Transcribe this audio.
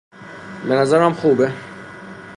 بنظرم خوبه